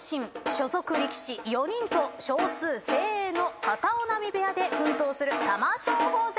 所属力士４人と少数精鋭の片男波部屋で奮闘する玉正鳳関。